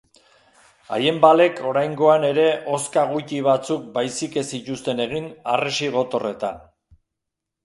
Haien balek oraingoan ere hozka guti batzuk baizik ez zituzten egin harresi gotorretan.